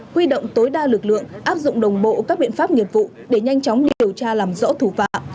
huy động tối đa lực lượng áp dụng đồng bộ các biện pháp nghiệp vụ để nhanh chóng điều tra làm rõ thủ phạm